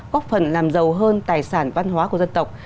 góp phần làm giàu hơn tài sản văn hóa của dân tộc